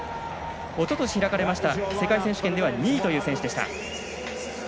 おととし開かれました世界選手権では２位という選手。